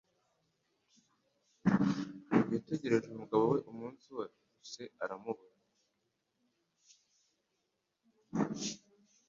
Yategereje umugabo we umunsi wose aramuheba.